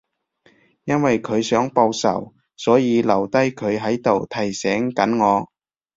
因為佢想報仇，所以留低佢喺度提醒緊我